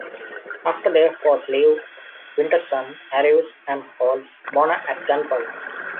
After their foes leave, Winterson arrives and holds Mona at gunpoint.